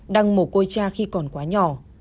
đăng mổ côi cha khi còn quá nhỏ